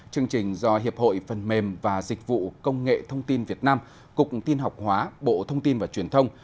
chương trình do hiệp hội phần mềm và dịch vụ công nghệ thông tin việt nam cục tin học hóa bộ thông tin và truyền thông